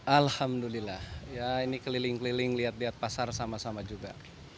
alhamdulillah ini keliling keliling lihat lihat pasar sama sama juga